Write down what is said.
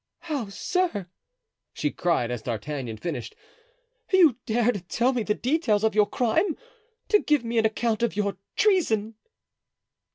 "How, sir!" she cried, as D'Artagnan finished, "you dare to tell me the details of your crime—to give me an account of your treason!"